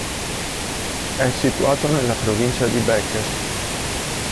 È situato nella provincia di Békés.